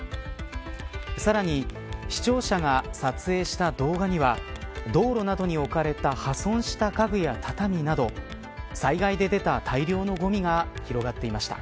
さらに視聴者が撮影した動画には道路などに置かれた破損した家具や畳など災害で出た大量のごみが広がっていました。